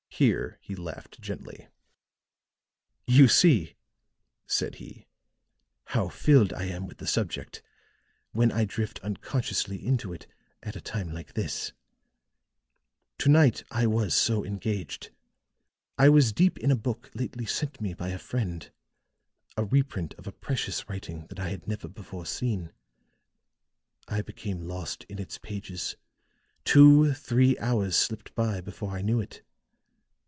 Here he laughed gently. "You see," said he, "how filled I am with the subject, when I drift unconsciously into it at a time like this. "To night I was so engaged. I was deep in a book lately sent me by a friend, a reprint of a precious writing that I had never before seen. I became lost in its pages; two, three hours slipped by before I knew it.